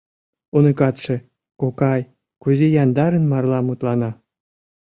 — Уныкатше, кокай, кузе яндарын марла мутлана.